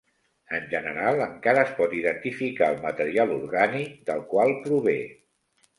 En general encara es pot identificar el material orgànic del qual prové.